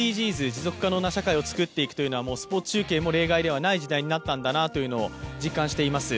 持続可能な社会をつくっていくのはスポーツ中継も例外ではないんだなと実感しています。